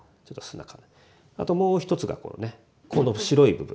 あともう一つがこの白い部分。